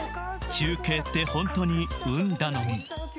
中継って本当に運頼み？